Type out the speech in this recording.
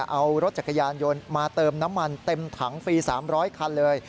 เอารถจักรยานยนต์มาเติมน้ำมันเต็มถังฟรี๓๐๐คันเลย